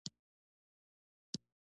هر کله کتاب سنت کې شی نه مومم